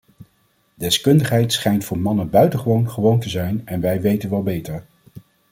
Deskundigheid schijnt voor mannen buitengewoon gewoon te zijn en wij weten wel beter.